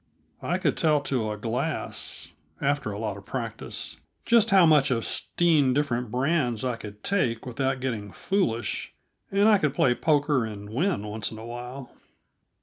I could tell to a glass after a lot of practise just how much of 'steen different brands I could take without getting foolish, and I could play poker and win once in awhile.